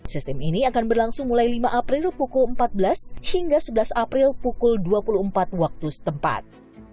sistem ini akan berlangsung mulai lima april pukul empat belas hingga sebelas april pukul dua puluh empat waktu setempat